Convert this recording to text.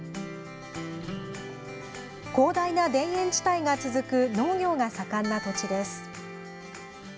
広大な田園地帯が続く農業が盛んな土地です。